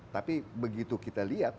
tapi begitu kita lihat